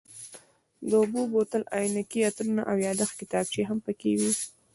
د اوبو بوتل، عینکې، عطرونه او یادښت کتابچې هم پکې وې.